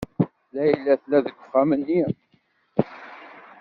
Layla tella deg uxxam-nni.